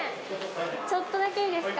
ちょっとだけいいですか？